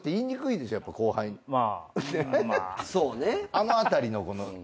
あの辺りのこの。